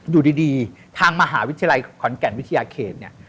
อยู่ดีทางมหาวิทยาลัยขอนแก่นวิทยาเขตเนี่ย